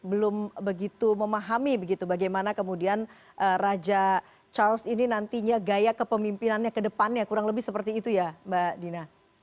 belum begitu memahami begitu bagaimana kemudian raja charles ini nantinya gaya kepemimpinannya ke depannya kurang lebih seperti itu ya mbak dina